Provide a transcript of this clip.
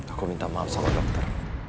aku minta maaf sama dokter